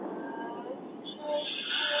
زه د مځکي د سپېرو خاورو په کار یم